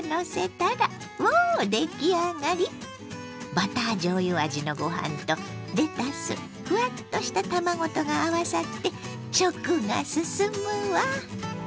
バターじょうゆ味のご飯とレタスふわっとした卵とが合わさって食が進むわ。